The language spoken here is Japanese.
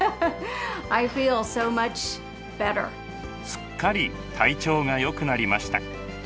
すっかり体調がよくなりました。